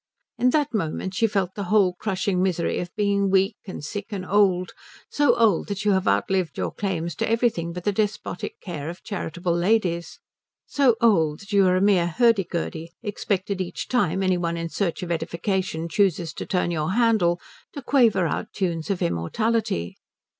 In that moment she felt the whole crushing misery of being weak, and sick, and old, so old that you have outlived your claims to everything but the despotic care of charitable ladies, so old that you are a mere hurdy gurdy, expected each time any one in search of edification chooses to turn your handle to quaver out tunes of immortality.